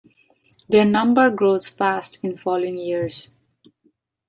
Their number grows fast in the following years.